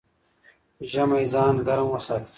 ژمی ځان ګرم وساته